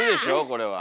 これは。